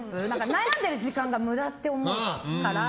悩んでいる時間が無駄って思うから。